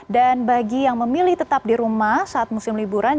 dan bagi yang memilih tetap di rumah saat musim liburan